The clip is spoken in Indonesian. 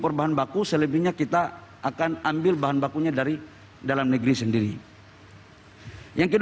khususnya keperluan ekonomi dan teknologi